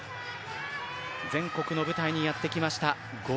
全国の舞台にやってきました。